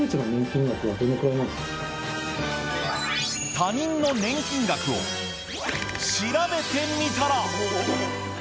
他人の年金額をしらべてみたら！